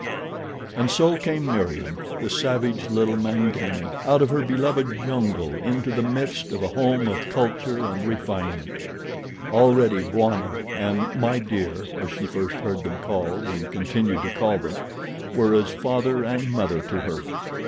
And so came Meriem, the savage little Mangani, out of her beloved jungle into the midst of a home of culture and refinement. Already "Bwana" and "My Dear," as she first heard them called and continued to call them, were as father and mother to her.